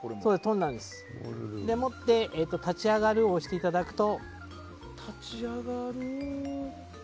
立ち上がるを押していただくと。